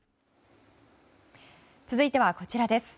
続いてはこちらです。